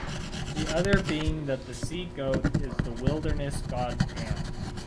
The other being that the sea goat is the wilderness god Pan.